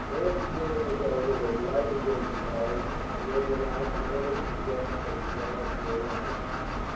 After dinner was over they lighted their cigars, and then went out and mounted the steps from the yard to the ramparts.